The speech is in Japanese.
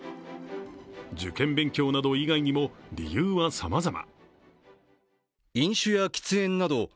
受験勉強など以外にも理由はさまざま。